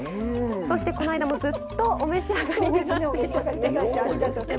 そしてこの間もずっとお召し上がりになってますね。